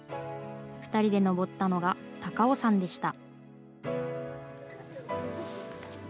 ２人で登ったのが、高尾山でした。